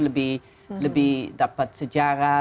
lebih dapat sejarah